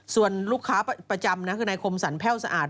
ส่วนลูกค้าประจำนะคือนายคมสรรแพ่วสะอาด